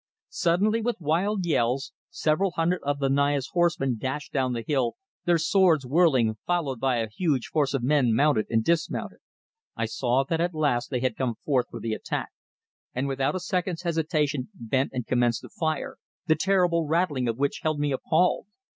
Suddenly with wild yells, several hundred of the Naya's horsemen dashed down the hill, their swords whirling, followed by a huge force of men mounted and dismounted. I saw that at last they had come forth for the attack, and without a second's hesitation bent and commenced a fire, the terrible rattling of which held me appalled.